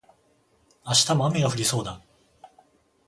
明日も雨が降りそうだ